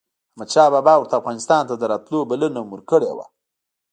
احمد شاه بابا ورته افغانستان ته دَراتلو بلنه هم ورکړې وه